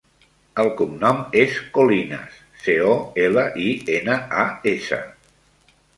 El cognom és Colinas: ce, o, ela, i, ena, a, essa.